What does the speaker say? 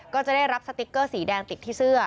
ก็จะได้รับสติ๊กเกอร์สีแดงติดที่เสื้อ